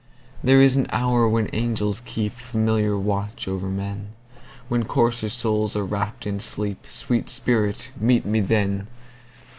There is an hour when angels keepFamiliar watch o'er men, When coarser souls are wrapp'd in sleep—Sweet spirit, meet me then!